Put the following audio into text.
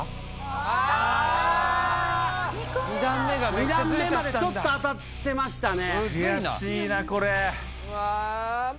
・あー２段目までちょっと当たってましたね